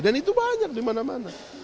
dan itu banyak di mana mana